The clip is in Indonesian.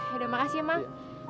yaudah makasih ya mang